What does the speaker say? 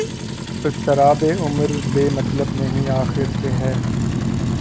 اضطرابِ عمر بے مطلب نہیں آخر کہ ہے